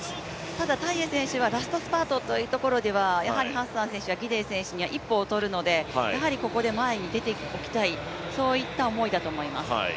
ただタイエ選手はラストスパートという意味では、やはりハッサン選手やギデイ選手には一歩劣るので、ここで前に出ておきたいという思いだと思います。